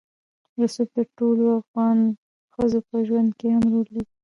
رسوب د ټولو افغان ښځو په ژوند کې هم رول لري.